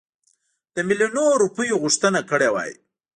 د میلیونونو روپیو غوښتنه کړې وای.